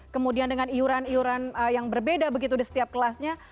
kemudian dengan iuran iuran yang berbeda begitu di setiap kelasnya